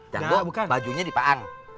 janggo bajunya di paang